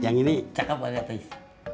yang ini cakep pak tis